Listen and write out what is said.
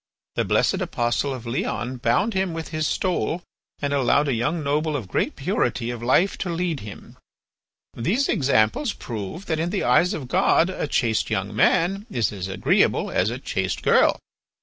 The blessed apostle of Leon bound him with his stole and allowed a young noble of great purity of life to lead him. These examples prove that in the eyes of God a chaste young man is as agreeable as a chaste girl.